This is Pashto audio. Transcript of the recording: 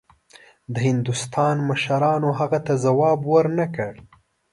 د هندوستان مشرانو هغه ته ځواب ورنه کړ.